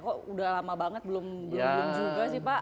kok udah lama banget belum belum juga sih pak